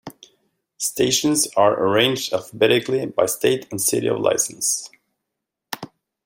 Stations are arranged alphabetically by state and city of license.